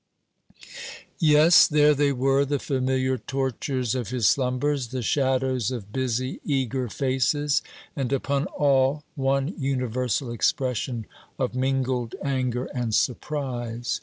Yes, there they were the familiar tortures of his slumbers, the shadows of busy, eager faces; and upon all one universal expression of mingled anger and surprise.